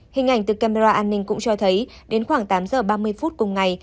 hình ảnh từ camera an ninh cũng cho thấy đến khoảng tám giờ ba mươi phút cùng ngày